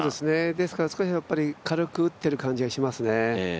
ですから少し軽く打ってる感じがしますね。